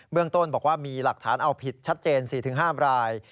เรื่องต้นบอกว่ามีหลักฐานเอาผิดชัดเจน๔๕ราย